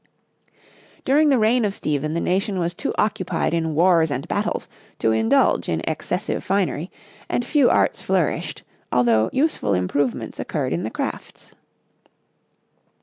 During the reign of Stephen the nation was too occupied in wars and battles to indulge in excessive finery, and few arts flourished, although useful improvements occurred in the crafts.